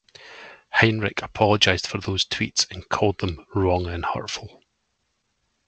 Heinrich apologized for those tweets and called them "wrong and hurtful".